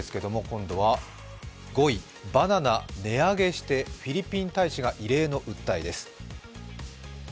今度は５位、バナナ値上げしてフィリピン大使が異例の訴えです。